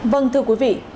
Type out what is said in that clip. vâng thưa quý vị